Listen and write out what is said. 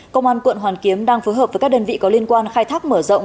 công an quận hoàn kiếm đang phối hợp với các đơn vị có liên quan khai thác mở rộng